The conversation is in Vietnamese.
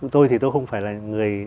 tôi thì tôi không phải là người